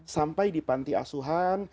sampai di panti asuhan